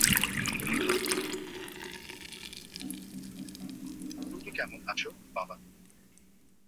তুমি কেমন আছো, বাবা?